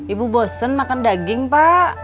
ibu bosen makan daging pak